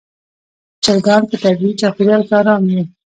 چرګان په طبیعي چاپېریال کې آرام وي.